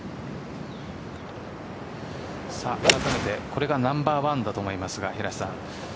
これがナンバーワンだと思いますが平瀬さん。